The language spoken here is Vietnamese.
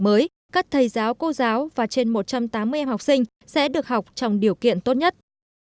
mới các thầy giáo cô giáo và trên một trăm tám mươi em học sinh sẽ được học trong điều kiện tốt nhất